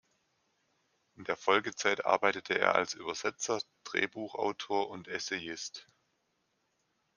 In der Folgezeit arbeitete er als Übersetzer, Drehbuchautor und Essayist.